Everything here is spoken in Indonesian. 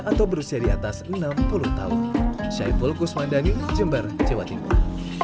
atau berusia di atas enam puluh tahun syaiful kusmandani jember jawa timur